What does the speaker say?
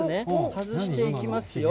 外していきますよ。